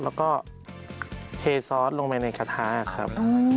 แล้วก็เขยซอสลงในกระทะนะครับ